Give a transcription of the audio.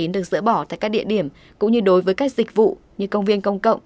được dỡ bỏ tại các địa điểm cũng như đối với các dịch vụ như công viên công cộng